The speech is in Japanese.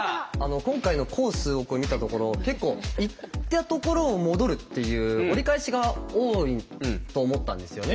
今回のコースを見たところ結構行ったところを戻るっていう折り返しが多いと思ったんですよね。